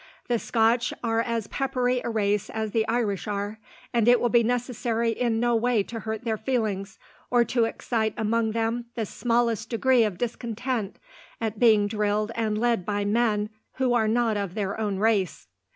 The Scotch are as peppery a race as the Irish are, and it will be necessary in no way to hurt their feelings, or to excite among them the smallest degree of discontent at being drilled and led by men who are not of their own race.